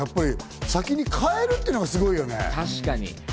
先に買えるっていうのが、すごいですよね。